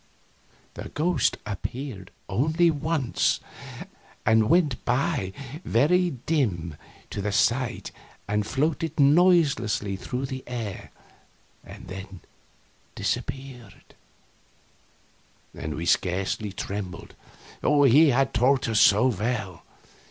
The ghost appeared only once, and it went by very dim to the sight and floated noiseless through the air, and then disappeared; and we scarcely trembled, he had taught us so well.